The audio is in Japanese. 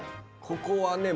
ここはね